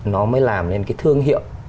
nó mới làm nên cái thương hiệu